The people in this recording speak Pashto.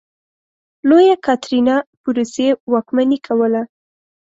لویه کاترینه په روسیې واکمني کوله.